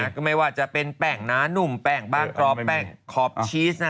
ก็ไม่ว่าจะเป็นแป้งนานุ่มแป้งบางกรอบแป้งขอบชีส